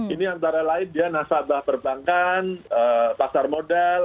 ini antara lain dia nasabah perbankan pasar modal